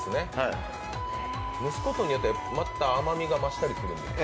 蒸すことによってまた甘みが増したりしますか？